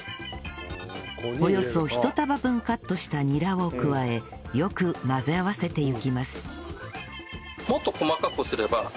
およそ１束分カットしたニラを加えよく混ぜ合わせていきます